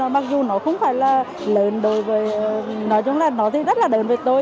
mặc dù nó không phải là lợn đối với nói chung là nó thì rất là lợn với tôi